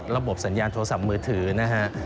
ระบบสัญญาณโทรศัพท์มือถือนะครับ